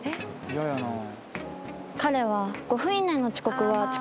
嫌やなあ。